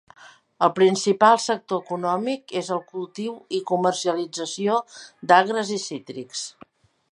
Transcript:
El principal sector econòmic és el cultiu i comercialització d'agres i cítrics.